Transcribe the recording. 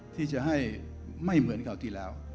ที่จะให้ไม่เหมือนคราวที่แล้ว